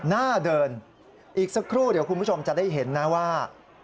หน้าเดินอีกสักครู่เดี๋ยวคุณผู้ชมจะได้เห็นนะว่า